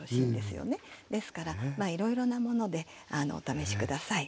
ですからまあいろいろなものでお試し下さい。